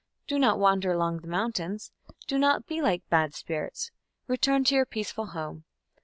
Do not wander along the mountains. Do not be like bad spirits. Return to your peaceful home....